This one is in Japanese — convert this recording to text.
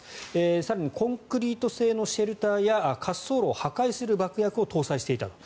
更にコンクリート製のシェルターや滑走路を破壊する爆薬を搭載していた。